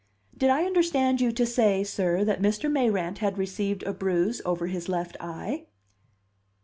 "Did I understand you to say, sir, that Mr. Mayrant had received a bruise over his left eye?"